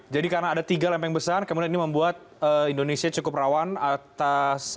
jadi karena ada tiga lempeng besar kemudian ini membuat indonesia cukup rawan atas